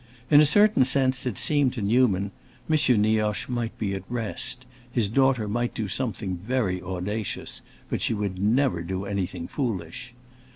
In a certain sense, it seemed to Newman, M. Nioche might be at rest; his daughter might do something very audacious, but she would never do anything foolish.